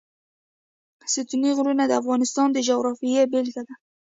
ستوني غرونه د افغانستان د جغرافیې بېلګه ده.